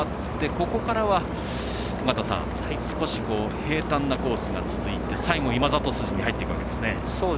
ここからは尾方さん少し、平たんなコースが続いて最後、今里筋に入っていくわけですね。